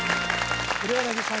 黒柳さん